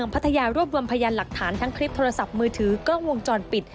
พัทยารวบรวมพยานหลักฐานทั้งคลิปโทรศัพท์มือถือกล้องวงจรปิด